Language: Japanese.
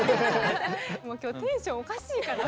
もう今日テンションおかしいから。